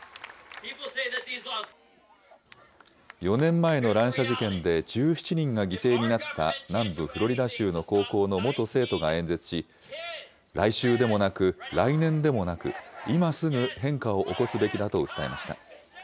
４年前の乱射事件で１７人が犠牲になった南部フロリダ州の高校の元生徒が演説し、来週でもなく、来年でもなく、今すぐ変化を起こすべきだと訴えました。